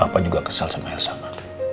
papa juga kesel sama elsa ma